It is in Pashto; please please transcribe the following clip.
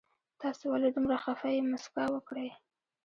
تاسو ولې دومره خفه يي مسکا وکړئ